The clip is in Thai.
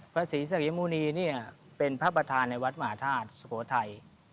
พระศรีสวีมูนีเนี่ยเป็นพระประธานในวัดมหาธาตุสุโขทัย